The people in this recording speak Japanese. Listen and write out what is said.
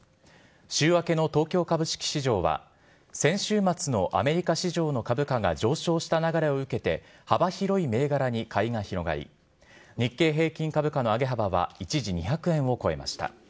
週明けの東京株式市場は、先週末のアメリカ市場の株価が上昇した流れを受けて、幅広い銘柄に買いが広がり、日経平均株価の上げ幅は一時２００円を超えました。